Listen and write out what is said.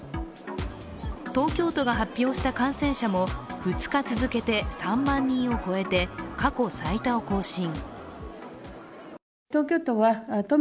東京都が発表した感染者も２日続けて３万人を超えて過去最多を更新。